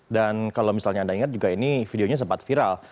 dan kalau misalnya anda ingat juga ini videonya sempat viral